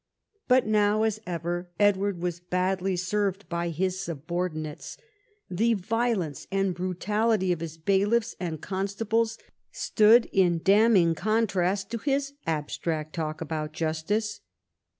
But now, as ever, Edward was badly served by his subordinates. The violence and brutality of his bailiffs and constables stood in damning contrast to his abstract talk about justice.